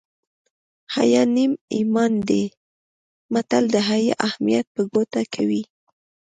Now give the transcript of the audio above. حیا نیم ایمان دی متل د حیا اهمیت په ګوته کوي